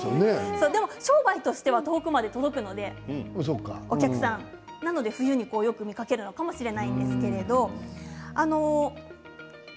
でも商売としては遠くまで音が届くのでなので冬によく見かけるのかもしれないですけれども。